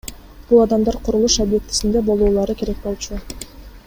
Бул адамдар курулуш объектисинде болуулары керек болчу.